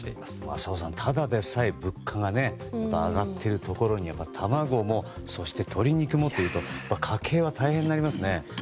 浅尾さん、ただでさえ物価が上がっているところに卵も、そして鶏肉もというと家計は大変になりますね。